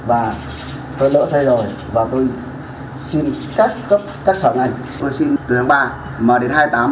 và tôi lỡ xây rồi và tôi xin các cấp các sở ngành tôi xin từ tháng ba mà đến hai mươi tám tháng một mươi hai